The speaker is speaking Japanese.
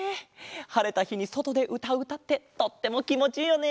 はれたひにそとでうたううたってとってもきもちいいよね！